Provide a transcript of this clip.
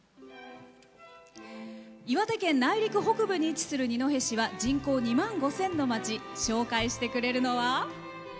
岩手県内陸北部に位置する二戸市は人口２万５０００の町。紹介してくれるのは。